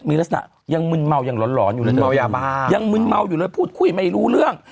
มีลักษณะยังมึนเมายังหลอนอยู่เลยยังมึนเมาอยู่เลยพูดคุยไม่รู้เรื่อง